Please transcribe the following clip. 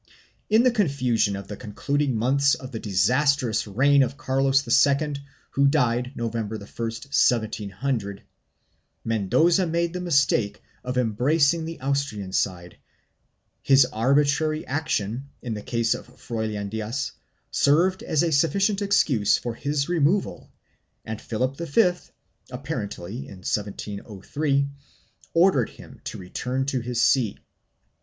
In the confusion of the concluding months of the disastrous reign of Carlos II, who died November 1, 1700, Mendoza made the mistake of embracing the Austrian side; his arbitrary action, in the case of Froilan Diaz, served as a sufficient excuse for his removal and Philip V, apparently in 1703, ordered him to return to his see.